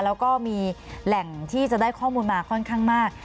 แล้วก็มีแหล่งที่จะได้ข้อมูลมาค่อนข้างมาก